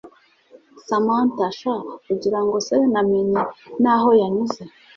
Samantha sha ugirango se namenye naho yanyuze